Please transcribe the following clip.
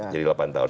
jadi lapan tahun